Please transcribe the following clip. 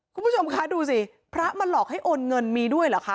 คุณผู้ชมคะดูสิพระมาหลอกให้โอนเงินมีด้วยเหรอคะ